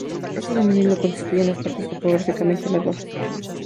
Este dominio lo constituyen las partes topográficamente más bajas.